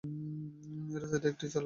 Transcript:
এই রাস্তাটি একটি চার-লেনের বিভক্ত সড়ক।